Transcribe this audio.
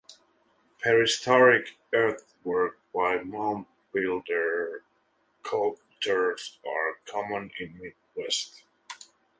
Prehistoric earthworks by mound builder cultures are common in the Midwest.